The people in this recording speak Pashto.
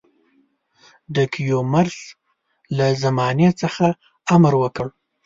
د کیومرث له زمانې څخه امر وکړ.